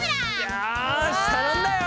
よしたのんだよ！